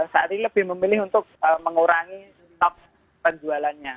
saya lebih memilih untuk mengurangi stok penjualannya